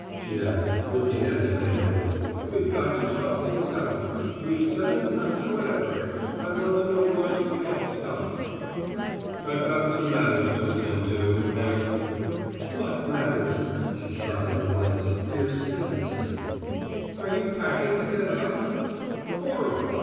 she asked, looking at him angrily. "We've got to talk things out. We've settled nothing whatever. I want to know why you can't stop." "I've got some matters to attend to, and " "What matters?" She shot him a glance of fierce skepticism. "Are you packing to get out?" "Cora!"